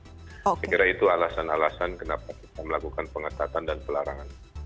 saya kira itu alasan alasan kenapa kita melakukan pengetatan dan pelarangan